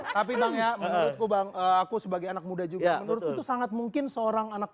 tapi bang ya menurutku bang aku sebagai anak muda juga menurutku sangat mungkin seorang anak